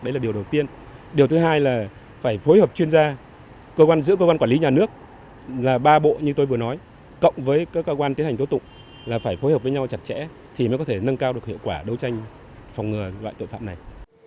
đấy là điều đầu tiên điều thứ hai là phải phối hợp chuyên gia cơ quan giữa cơ quan quản lý nhà nước là ba bộ như tôi vừa nói cộng với các cơ quan tiến hành tố tụng là phải phối hợp với nhau chặt chẽ thì mới có thể nâng cao được hiệu quả đấu tranh phòng ngừa loại tội phạm này